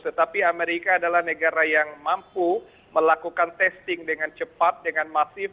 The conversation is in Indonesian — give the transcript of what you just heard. tetapi amerika adalah negara yang mampu melakukan testing dengan cepat dengan masif